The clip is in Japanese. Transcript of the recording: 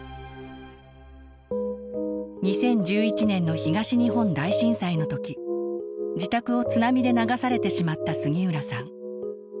２０１１年の東日本大震災の時自宅を津波で流されてしまった杉浦さん。